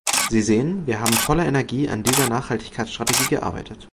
Sie sehen, wir haben voller Energie an dieser Nachhaltigkeitsstrategie gearbeitet.